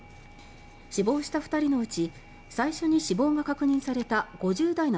死亡した２人のうち最初に死亡が確認された５０代の